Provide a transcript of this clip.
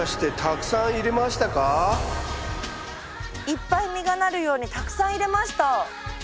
いっぱい実がなるようにたくさん入れました。